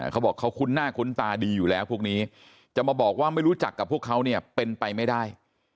เขาบอกเขาคุ้นหน้าคุ้นตาดีอยู่แล้วพวกนี้จะมาบอกว่าไม่รู้จักกับพวกเขาเนี่ยเป็นไปไม่ได้